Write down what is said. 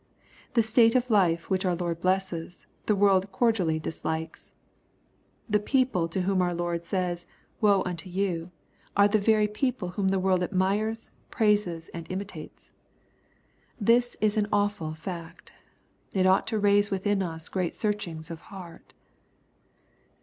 The state of life which our Lord blesses, the world cordially dislikes. The peop e to whom our Lord says, "woe unto you, i 180 EXPOSITORY THOUGHTS. a^ the very people whom the world admires, praises, and imitates. This is an awful fact. It ought to raise within us great searchings of heart.